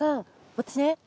私ね